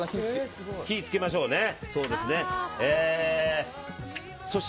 火つけましょうね。